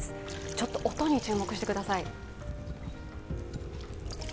ちょっと音に注目してください。